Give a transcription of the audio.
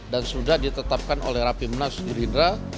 dan sudah ditetapkan oleh rapimnas gerindra